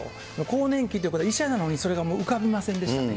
更年期って、医者なのにそれが浮かびませんでしたね。